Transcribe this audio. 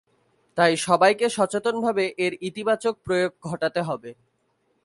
তাই সবাইকে সচেতনভাবে এর ইতিবাচক প্রয়োগ ঘটাতে হবে।